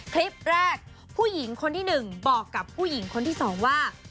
คลิปแรกผู้หญิงคนที่๑บอกกับผู้หญิงคนที่๒ว่า